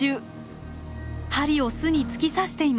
針を巣に突き刺しています。